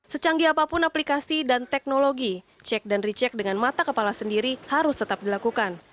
secanggih apapun aplikasi dan teknologi cek dan recheck dengan mata kepala sendiri harus tetap dilakukan